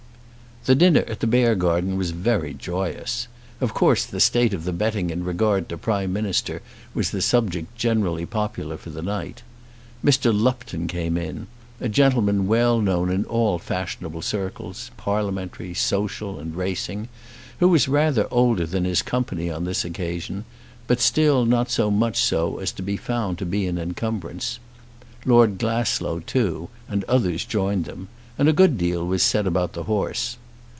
The dinner at the Beargarden was very joyous. Of course the state of the betting in regard to Prime Minister was the subject generally popular for the night. Mr. Lupton came in, a gentleman well known in all fashionable circles, parliamentary, social, and racing, who was rather older than his company on this occasion, but still not so much so as to be found to be an incumbrance. Lord Glasslough too, and others joined them, and a good deal was said about the horse.